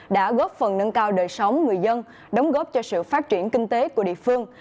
đã góp phần nâng cao đời sống người dân đóng góp cho sự phát triển kinh tế của địa phương